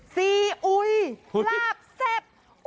ซีอุยลาบแซ่บ